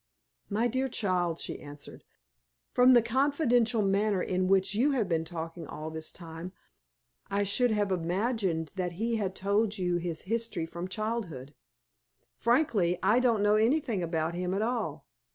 "My dear child," she answered, "from the confidential manner in which you have been talking all this time, I should have imagined that he had told you his history from childhood. Frankly, I don't know anything about him at all.